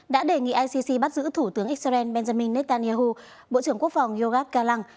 đã đề nghị icc bắt giữ thủ tướng israel benjamin netanyahu bộ trưởng quốc phòng yorgos kalam